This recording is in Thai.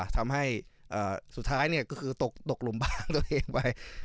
ทำให้สุดท้ายก็คือตกหลุมบ้านตัวเองไป